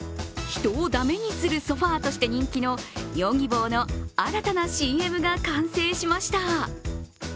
人をだめにするソファとして有名のヨギボーの新たなＣＭが完成しました。